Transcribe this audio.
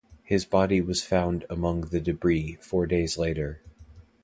His body was found among the debris four days later.